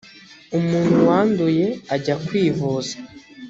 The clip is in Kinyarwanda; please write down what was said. umuntu wanduye ajyakwivuza.